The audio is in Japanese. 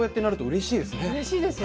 うれしいですよね。